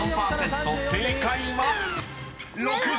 ［正解は⁉］